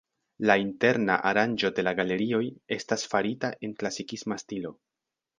La interna aranĝo de la galerioj estas farita en klasikisma stilo.